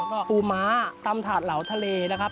ก็ปูม้าตำถาดเหลาทะเลนะครับ